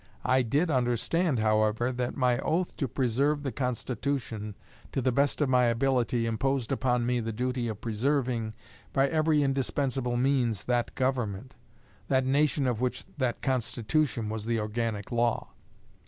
I did understand, however, that my oath to preserve the Constitution to the best of my ability imposed upon me the duty of preserving, by every indispensable means, that Government that Nation of which that Constitution was the organic law.